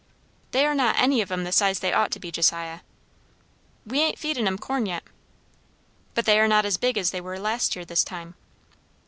"They are not any of 'em the size they ought to be, Josiah." "We ain't feedin' 'em corn yet." "But they are not as big as they were last year this time."